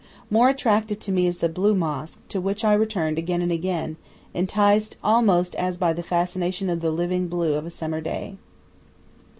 More attractive to me is the "Blue Mosque," to which I returned again and again, enticed almost as by the fascination of the living blue of a summer day.